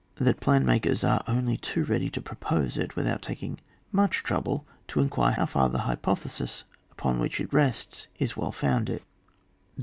that plan makers are only too ready to propose it, without taking much trouble to inquire how far the hypothesis on which it rests is well founded.